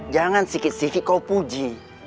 jangan sikit sikik kau puji